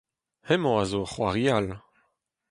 hemañ a zo ur c'hoari all